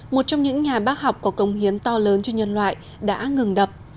một trong những nhà bác học có công hiến to lớn cho nhân loại đã ngừng đập